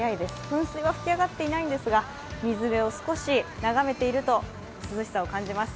噴水は吹き上がっていないのですが水辺を少しながめていると涼しさを感じます。